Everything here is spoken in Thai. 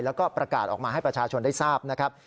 แล้วก็ประกาศออกมาให้ประชาชนได้ทราบนะครับ